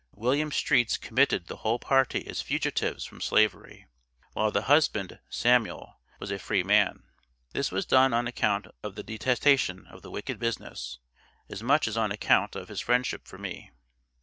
William Streets committed the whole party as fugitives from Slavery, while the husband (Samuel), was a free man. This was done on account of the detestation of the wicked business, as much as on account of his friendship for me.